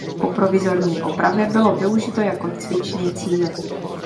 Po provizorní opravě bylo využito jako cvičný cíl.